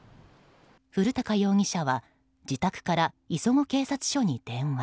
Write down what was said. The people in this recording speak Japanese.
古高容疑者は自宅から磯子警察署に電話。